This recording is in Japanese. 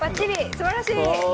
すばらしい！